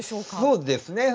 そうですね。